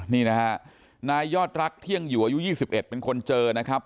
นี่นะฮะนายยอดรักเที่ยงอยู่อายุ๒๑เป็นคนเจอนะครับ